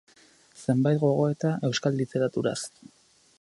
Zenbait gogoeta euskal literaturaz.